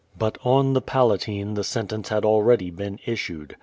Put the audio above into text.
But on the Palatine the sentence had already been issued.